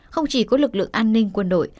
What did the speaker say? không chỉ có lực lượng an ninh quân đội